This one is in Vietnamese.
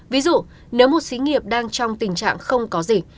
ví dụ nếu một xí nghiệp đang trong tình trạng không có gì